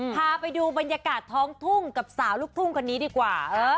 พาไปดูบรรยากาศท้องทุ่งกับสาวลูกทุ่งคนนี้ดีกว่า